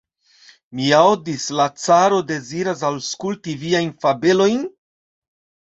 Mi aŭdis, la caro deziras aŭskulti viajn fabelojn?